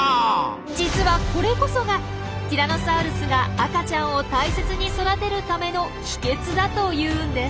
実はこれこそがティラノサウルスが赤ちゃんを大切に育てるための秘けつだというんです。